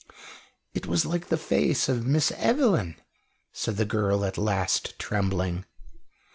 "It was like the face of Miss Evelyn," said the girl at last, trembling.